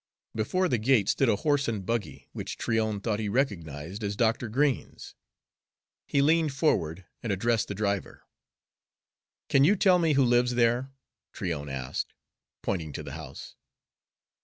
Before the gate stood a horse and buggy, which Tryon thought he recognized as Dr. Green's. He leaned forward and addressed the driver. "Can you tell me who lives there?" Tryon asked, pointing to the house.